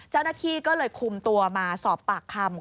เจ้าหน้าที่ก็เลยคุมตัวมาสอบปากคำ